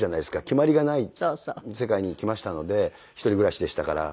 決まりがない世界に行きましたので一人暮らしでしたから。